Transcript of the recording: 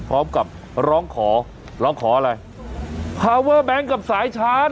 พร้อมกับร้องขอร้องขออะไรพาวเวอร์แบงค์กับสายชาร์จ